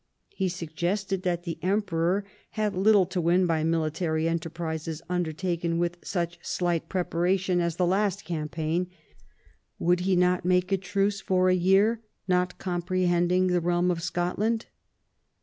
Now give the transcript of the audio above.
He suggested that the Emperor had little to win by military enterprises undertaken with such slight preparation as the last campaign ; would he not make truce for a year, not comprehending the realm of Scotland?